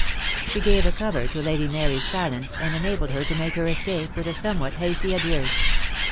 She gave a cover to Lady Mar}''s silence and enabled her to make her escape, with a somewhat hasty adieu.